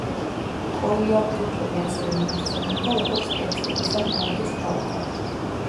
კოიამპუტური ასევე მოიხსენიება როგორც ტექსტილის ან ბამბის ქალაქად.